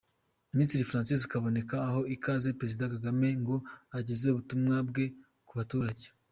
Minisiitiri Francis Kaboneka aha ikaze Perezida Kagame ngo ageze ubutumwa bwe ku baturage.